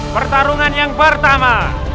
pertarungan yang pertama